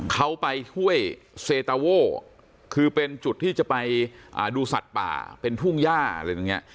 เขาไปช่วยเซตาโว่คือเป็นจุดที่จะไปดูสัตว์ป่าเป็นทุ่งย่าอะไรตรงนี้